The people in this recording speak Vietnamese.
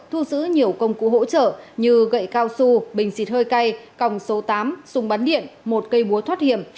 thu giữ nhiều công cụ hỗ trợ như gậy cao su bình xịt hơi cay còng số tám súng bắn điện một cây búa thoát hiểm